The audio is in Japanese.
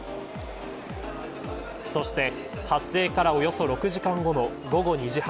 そして発生からおよそ６時間後の午後２時半。